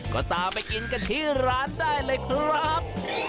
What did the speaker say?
ก็ตามไปกินกันที่ร้านได้เลยครับ